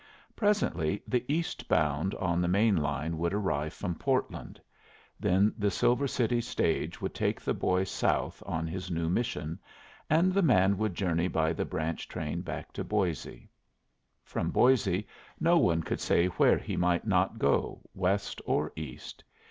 Presently the east bound on the main line would arrive from Portland; then the Silver City stage would take the boy south on his new mission, and the man would journey by the branch train back to Boise. From Boise no one could say where he might not go, west or east.